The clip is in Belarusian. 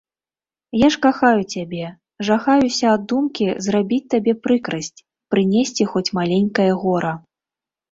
Я ж кахаю цябе, жахаюся ад думкі зрабіць табе прыкрасць, прынесці хоць маленькае гора.